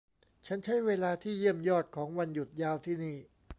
ฉันใช้เวลาที่เยี่ยมยอดของวันหยุดยาวที่นี่